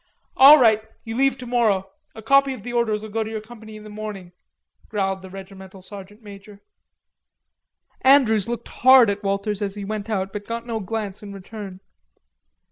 "All right, you leave tomorrow. A copy of the orders'll go to your company in the morning," growled the regimental sergeant major. Andrews looked hard at Walters as he went out, but got no glance in return.